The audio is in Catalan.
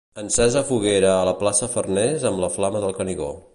Encesa foguera a la plaça Farners amb la Flama del Canigó.